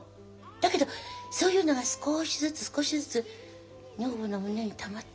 だけどそういうのが少しずつ少しずつ女房の胸にたまってくのよね。